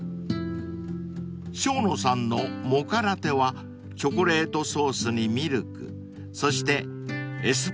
［生野さんのモカラテはチョコレートソースにミルクそしてエスプレッソを注いだ